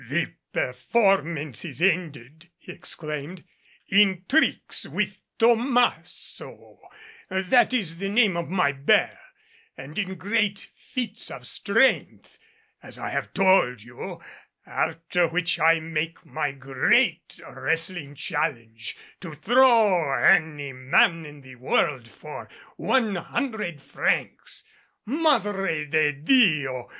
"The performance is ended," he exclaimed, "in tricks with Tomasso that is the name of my bear and in great feats of strength, as I have told you, after which I make my great wrestling challenge, to throw any man in the world for one hun dred francs. Madre de Dio!